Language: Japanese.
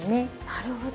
なるほど。